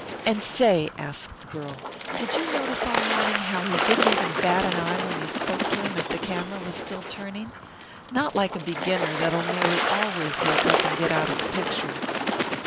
"And say," asked the girl, "did you notice all morning how he didn't even bat an eye when you spoke to him, if the camera was still turning? Not like a beginner that'll nearly always look up and get out of the picture."